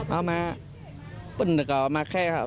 เอามันยากจะไหนครับ